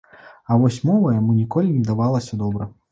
А вось мова яму ніколі не давалася добра.